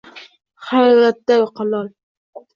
Hayratda lol